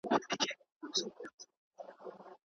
انلاين پروګرامونه زده کړه قوي کوي.